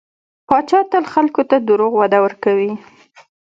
پاچا تل خلکو ته دروغ وعده ورکوي .